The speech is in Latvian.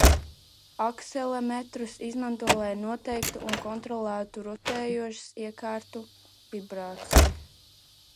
Akselerometrus izmanto, lai noteiktu un kontrolētu rotējošu iekārtu vibrāciju.